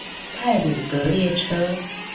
太魯閣列車